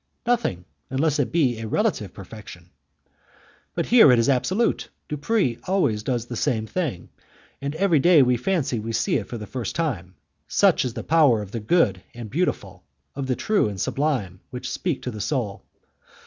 "Nothing, unless it be a relative perfection." "But here it is absolute. Dupres always does the same thing, and everyday we fancy we see it for the first time. Such is the power of the good and beautiful, of the true and sublime, which speak to the soul.